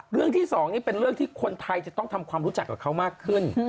ที่สองนี่เป็นเรื่องที่คนไทยจะต้องทำความรู้จักกับเขามากขึ้น